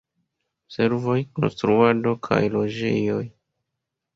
Servoj, konstruado kaj loĝejoj.